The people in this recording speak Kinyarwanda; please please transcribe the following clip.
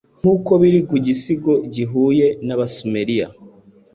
nkuko biri mu gisigo gihuye nAbasumeriya